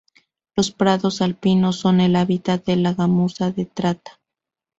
Los prados alpinos son el hábitat de la gamuza de Tatra.